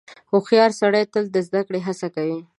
• هوښیار سړی تل د زدهکړې هڅه کوي.